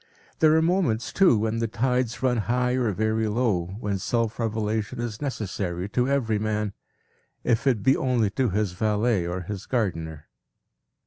There are moments too, when the tides run high or very low, when self revelation is necessary to every man, if it be only to his valet or his gardener.